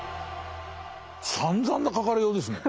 さんざんな書かれようですね。